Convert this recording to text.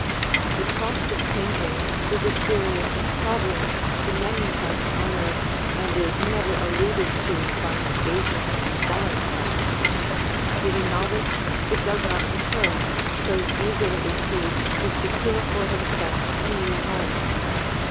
The cost of painting is a serious problem to many house owners and is never alluded to by an agent when selling a house; to the novice it does not occur, so eager is he to secure for himself a new home.